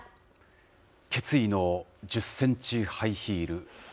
決意の１０センチハイヒール。